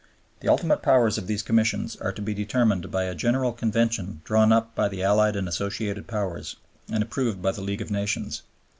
The ultimate powers of these Commissions are to be determined by "a General Convention drawn up by the Allied and Associated Powers, and approved by the League of Nations."